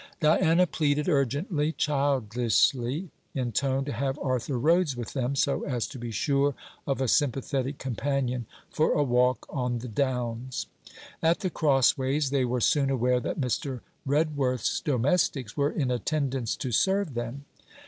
Diana pleaded urgently, childishly in tone, to have Arthur Rhodes with them, 'so as to be sure of a sympathetic companion for a walk on the Downs.' At The Crossways, they were soon aware that Mr. Redworth's domestics were in attendance to serve them.